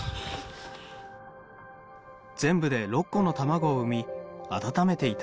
全部で６個の卵を産み温めていた。